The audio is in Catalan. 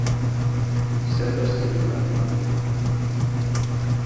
Sempre escric per la Ma